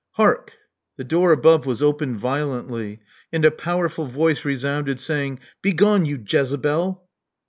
Hark!" The door above was opened violently ; and a power ful voice resounded, saying, Begone, you Jezebel."